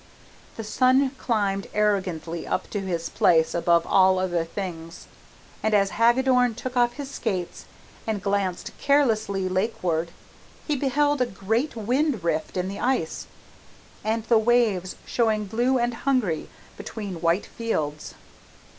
The sun climbed arrogantly up to his place above all other things, and as Hagadorn took off his skates and glanced carelessly lakeward, he beheld a great wind rift in the ice, and the waves showing blue and hungry between white fields.